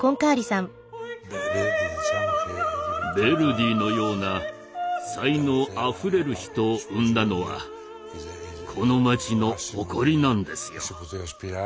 ヴェルディのような才能あふれる人を生んだのはこの町の誇りなんですよ。